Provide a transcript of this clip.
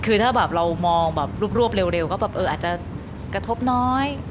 คือถ้าเรามองรวบเร็วก็อาจจะกระทบน้อย